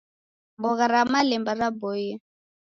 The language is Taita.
Mbogha ra malemba raboie.